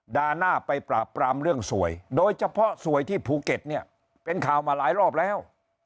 หน้าไปปราบปรามเรื่องสวยโดยเฉพาะสวยที่ภูเก็ตเนี่ยเป็นข่าวมาหลายรอบแล้ว